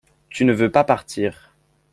Tu ne veux pas partir.